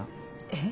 え？